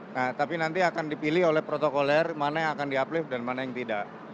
nah tapi nanti akan dipilih oleh protokoler mana yang akan di uplive dan mana yang tidak